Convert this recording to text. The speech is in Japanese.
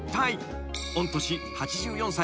［御年８４歳。